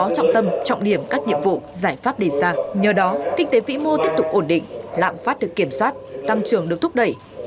trước đó kinh tế vĩ mô tiếp tục ổn định lạm phát được kiểm soát tăng trường được thúc đẩy